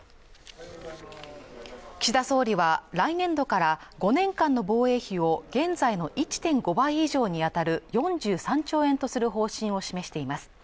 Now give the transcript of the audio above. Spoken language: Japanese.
岸田総理は来年度から５年間の防衛費を現在の１．５倍以上にあたる４３兆円とする方針を示しています